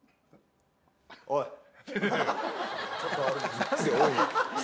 おい。